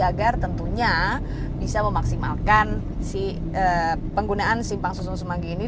agar tentunya bisa memaksimalkan penggunaan simpang susun semanggi ini